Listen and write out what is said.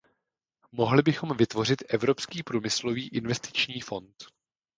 Mohli bychom vytvořit Evropský průmyslový investiční fond.